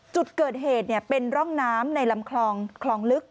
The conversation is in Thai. จุดเกิดเหตุเป็นร่องน้ำในลำคลองคลองลึก